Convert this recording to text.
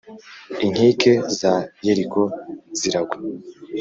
inkike za yeriko ziragwa